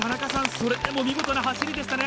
それでも見事な走りでしたね